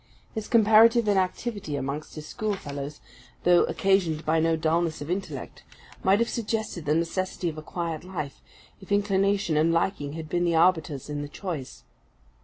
His comparative inactivity amongst his schoolfellows, though occasioned by no dulness of intellect, might have suggested the necessity of a quiet life, if inclination and liking had been the arbiters in the choice.